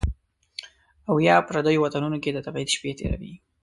او یا، پردیو وطنونو کې د تبعید شپې تیروي